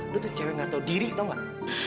lo tuh cewek nggak tahu diri tau nggak